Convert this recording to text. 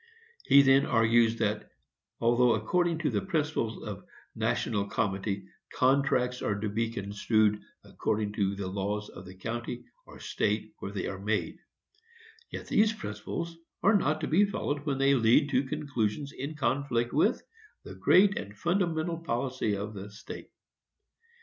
He then argues that, although according to principles of national comity "contracts are to be construed according to the laws of the country or state where they are made," yet these principles are not to be followed when they lead to conclusions in conflict with "the great and fundamental policy of the state."